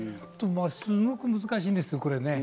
すごく難しいんですよ、これね。